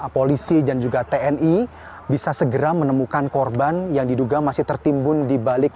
polisi dan juga tni bisa segera menemukan korban yang diduga masih tertimbun di balik